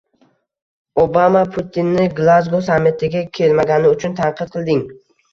Obama Putinni Glazgo sammitiga kelmagani uchun tanqid qilding